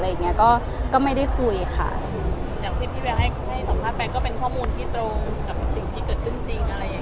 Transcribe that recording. กับสิ่งที่เกิดขึ้นจริงอะไรอย่างนี้